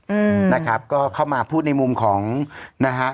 อืมนะครับก็เข้ามาพูดในมุมของนะฮะ